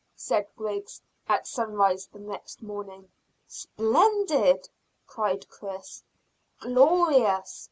said Griggs, at sunrise the next morning. "Splendid!" cried Chris. "Glorious!"